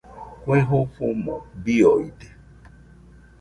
Kue jofomo biooide.